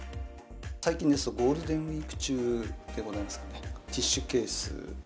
最近ですと、ゴールデンウィーク中でございますかね、ティッシュケース。